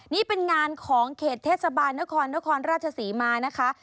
นี่เป็นงานของเขตเทศบาลนครนครราชศรีมานะคะ